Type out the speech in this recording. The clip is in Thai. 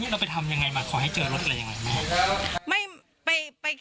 หลัศณนี้อ้อนไปทำยังไงน่ะก็เขามาให้รถยังไงค่ะ